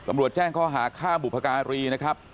อำรวจแจ้งข้อหาค่าบุพการีนะครับ